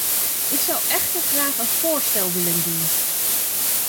Ik zou echter graag een voorstel willen doen.